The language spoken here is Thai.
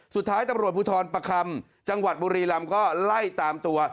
สุดท้ายตำรวจภูทรประคำจังหวัดบุรีรำก็ไล่ตามตัว